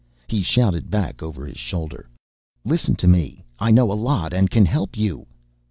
He shouted back over his shoulder. "Listen to me I know a lot and can help you."